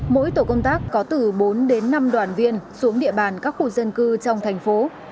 mỗi tổ công tác có từ bốn đến năm đoàn viên xuống địa bàn các khu dân cư trong thành phố